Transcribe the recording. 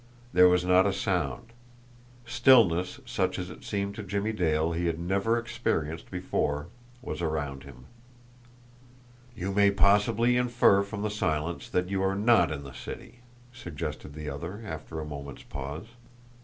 There was not a sound; stillness such as it seemed to Jimmie Dale he had never experienced before was around him. "You may possibly infer from the silence that you are NOT in the city," suggested the other, after a moment's pause.